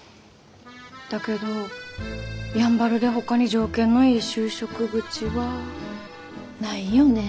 だけどやんばるでほかに条件のいい就職口は。ないよね。